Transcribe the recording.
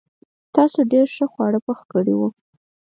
تاسو ډېر ښه خواړه پخ کړي وو.